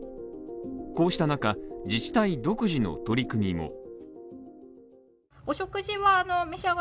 こうした中、自治体独自の取り組みも。